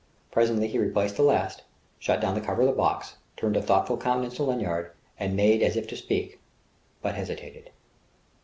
Presently he replaced the last, shut down the cover of the box, turned a thoughtful countenance to Lanyard, and made as if to speak, but hesitated.